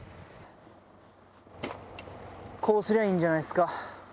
こうすりゃいいんじゃないっすか？